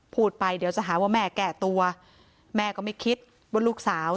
พูดไปเดี๋ยวจะหาว่าแม่แก้ตัวแม่ก็ไม่คิดว่าลูกสาว